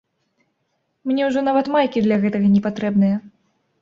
Мне ўжо нават майкі для гэтага не патрэбныя.